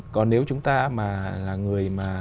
còn nếu chúng ta mà là người mà